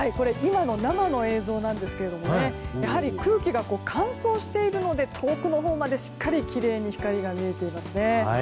今の生の映像なんですがやはり空気が乾燥しているので遠くのほうまでしっかりきれいに光が見えていますね。